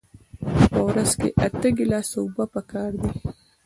په ورځ کې اته ګیلاسه اوبه پکار دي